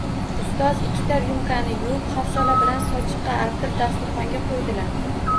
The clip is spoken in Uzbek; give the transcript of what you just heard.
Ustoz ikkita ryumkani yuvib, xafsala bilan sochiqqa artib, dasturxonga qo’ydilar